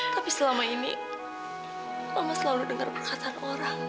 tapi selama ini mama selalu dengar perkataan orang